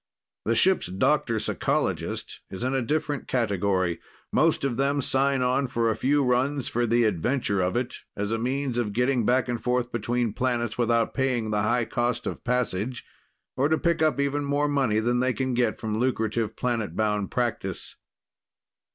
The ship's doctor psychologist is in a different category. Most of them sign on for a few runs for the adventure of it, as a means of getting back and forth between planets without paying the high cost of passage or to pick up even more money than they can get from lucrative planetbound practice.